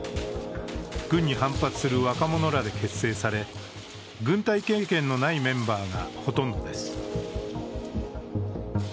軍に反発する若者らで結成され、軍隊経験のないメンバーがほとんどです。